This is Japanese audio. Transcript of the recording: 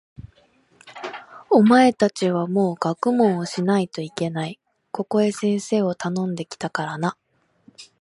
お前たちはもう学問をしないといけない。ここへ先生をたのんで来たからな。